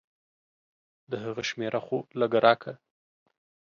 د هغه شميره خو لګه راکه.